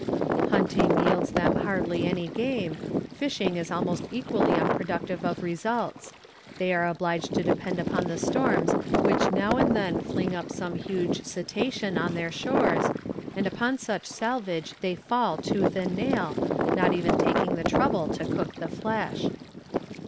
Hunting yields them hardly any game, fishing is almost equally unproductive of results; they are obliged to depend upon the storms which now and then fling some huge cetacean on their shores, and upon such salvage they fall tooth and nail, not even taking the trouble to cook the flesh.